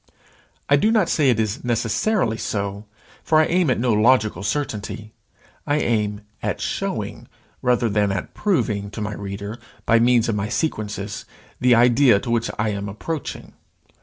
I do not say it is necessarily so; for I aim at no logical certainty. I aim at showing, rather than at proving, to my reader, by means of my sequences, the idea to which I am approaching.